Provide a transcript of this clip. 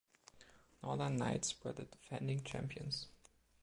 Northern Knights were the defending champions.